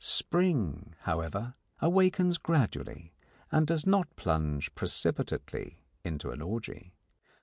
Spring, however, awakens gradually, and does not plunge precipitately into an orgy.